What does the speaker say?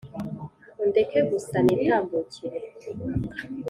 Undeke gusa nitambukire